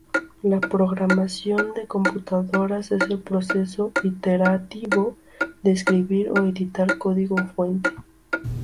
La programación de computadoras es el proceso iterativo de escribir o editar código fuente.